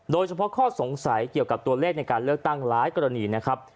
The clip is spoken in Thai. โดยเฉพาะข้อสงสัยเกี่ยวกับตัวเลขในการเลือกตั้งหลายกรณีนะครับ